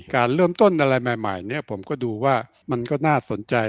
การเริ่มต้นอะไรใหม่เนี่ยผมก็ดูว่ามันก็น่าสนใจ